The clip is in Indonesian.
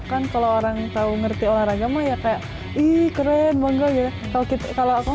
kan kalau orang tahu ngerti olahraga mah ya kayak ih keren bangga ya kalau kita kalau aku